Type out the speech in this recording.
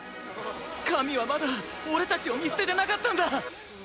神はまだ俺たちを見捨ててなかったんだ！！